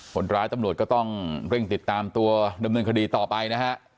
คนร้ายตำรวจก็ต้องเร่งติดตามตัวดำเนินคดีต่อไปนะฮะ